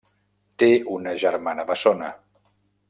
Té una germana bessona.